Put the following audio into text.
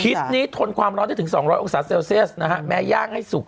ทิศนี้ทนความร้อนได้ถึง๒๐๐องศาเซลเซียสนะฮะแม้ย่างให้สุก